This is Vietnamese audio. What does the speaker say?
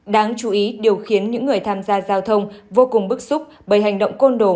đáng chú ý điều khiến những người tham gia giao thông vô cùng bức xúc bởi hành động côn đồ